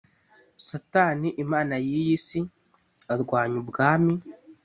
Satani imana y iyi si arwanya Ubwami